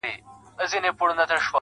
شیطان له غبرګو تورو سره ناڅي په میدان